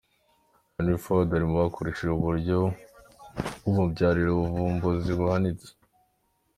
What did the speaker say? Henry Ford, ari mu yakoresheje ubu buryo bumubyarira ubuvumbuzi buhanitse.